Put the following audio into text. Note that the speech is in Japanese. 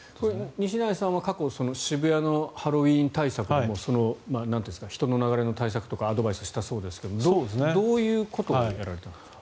西成さんは過去渋谷のハロウィーン対策でも人の流れの対策とかアドバイスしたそうですがどういうことをやられたんですか？